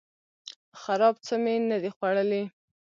خراب څه می نه دي خوړلي